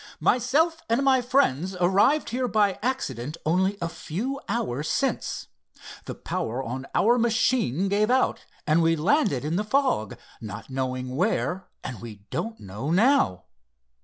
"Myself and my friends arrived here by accident only a few hours since. The power on our machine gave out, and we landed in the fog, not knowing where and we don't know now."